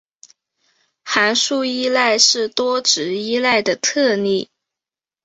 函数依赖是多值依赖的特例。